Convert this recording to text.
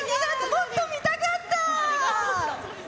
もっと見たかった！